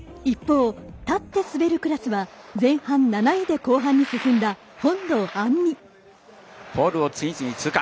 一方、立って滑るクラスは前半７位で後半に進んだ本堂杏実。